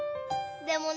でもね